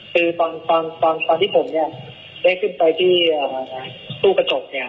คือตอนที่ผมเนี่ยได้ขึ้นไปที่ตู้กระจกเนี่ย